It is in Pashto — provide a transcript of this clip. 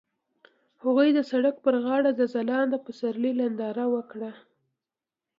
هغوی د سړک پر غاړه د ځلانده پسرلی ننداره وکړه.